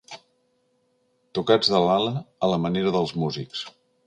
Tocats de l'ala a la manera dels músics.